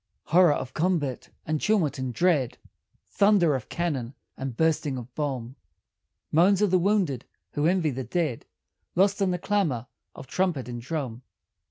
Horror of combat, and tumult and dread; Thunder of cannon and bursting of bomb; Moans of the wounded (who envy the dead) Lost in the clamor of trumpet and drum.